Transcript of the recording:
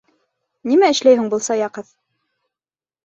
Нимә эшләй һуң был сая ҡыҙ?